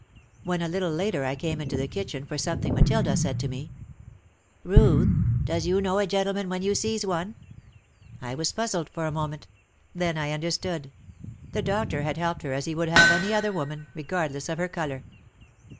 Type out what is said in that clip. When a little later I came into the kitchen for something Mathilda said to me, "Ruth, does you know a gentleman when you sees one ?" I was puzzled for a moment. Then I understood. The doctor had helped her as he would have any other woman, regardless of her colour!